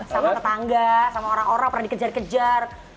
sama tetangga sama orang orang pernah dikejar kejar